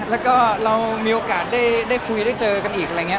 แล้วก็เรามีโอกาสได้คุยได้เจอกันอีกอะไรอย่างนี้